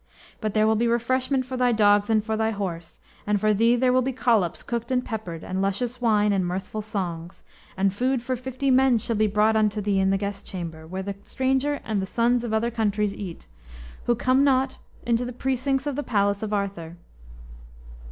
But there will be refreshment for thy dogs and for thy horse; and for thee there will be collops cooked and peppered, and luscious wine, and mirthful songs; and food for fifty men shall be brought unto thee in the guest chamber, where the stranger and the sons of other countries eat, who come not into the precincts of the palace of Arthur.